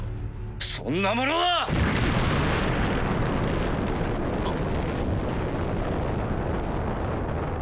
そんなものは！はっ！